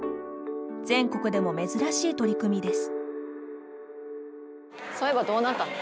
全国でも珍しい取り組みです。